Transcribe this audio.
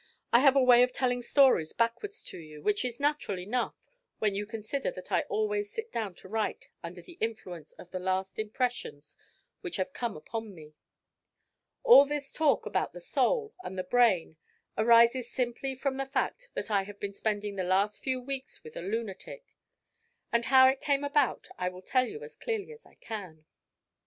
I have a way of telling stories backwards to you, which is natural enough when you consider that I always sit down to write under the influence of the last impressions which have come upon me. All this talk about the soul and the brain arises simply from the fact that I have been spending the last few weeks with a lunatic. And how it came about I will tell you as clearly as I can.